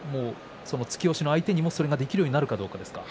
突き押しの相手にもそれができるかどうかですか？